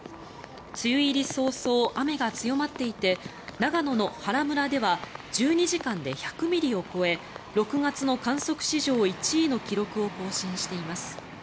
梅雨入り早々、雨が強まっていて長野の原村では１２時間で１００ミリを超え６月の観測史上１位の記録を更新しています。